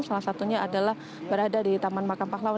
salah satunya adalah berada di taman makam pahlawan